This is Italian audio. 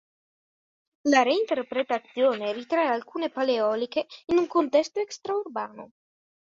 La reinterpretazione ritrae alcune pale eoliche in un contesto extra-urbano.